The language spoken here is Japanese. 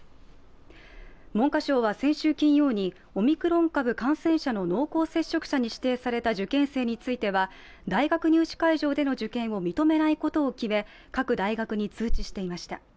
文科省は先週金曜にオミクロン株感染者の濃厚接触者に指定された受験生については大学入試会場での受験を認めないことを決め、各大学に通知していました。